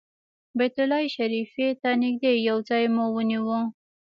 بیت الله شریفې ته نږدې یو ځای مو ونیو.